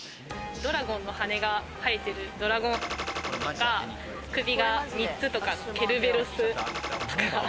ドラゴンの羽が生えてるドラゴンとか、首が三つとかのケルベロスとか。